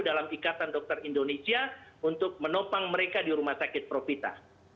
dalam ikatan dokter indonesia untuk menopang mereka di rumah sakit profita